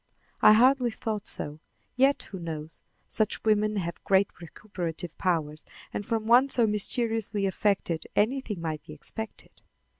I hardly thought so. Yet who knows? Such women have great recuperative powers, and from one so mysteriously affected anything might be expected.